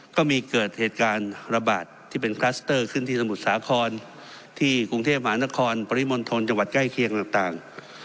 ก็มีเกิดเหตุการณ์ระบาดที่เป็นคลัสเตอร์ขึ้นที่สมุทรสาครที่กรุงเทพมหานครปริมณฑลจังหวัดใกล้เคียงต่าง